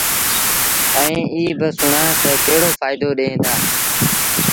ائيٚݩ ايٚ با سُڻآ تا ڪهڙو ڦآئيدو ڏيݩ دآ۔